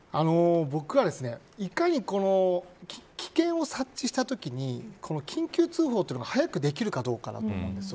僕はいかに危険を察知したときに緊急通報というのが早くできるかどうかだと思います。